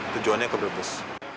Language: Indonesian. tujuannya ke brebes